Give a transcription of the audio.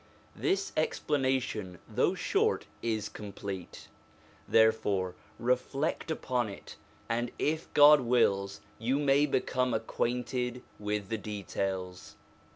This explanation, though short, is complete; there fore reflect upon it, and if God wills, you may become acquainted with the details.